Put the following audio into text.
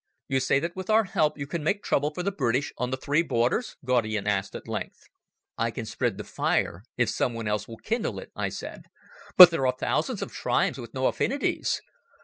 "You say that with our help you can make trouble for the British on the three borders?" Gaudian asked at length. "I can spread the fire if some one else will kindle it," I said. "But there are thousands of tribes with no affinities."